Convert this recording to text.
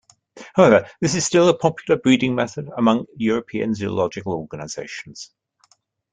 However, this is still a popular breeding method among European zoological organizations.